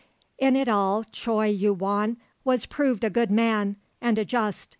In it all Choi Yu won was proven a good man and a just.